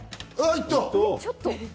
行った！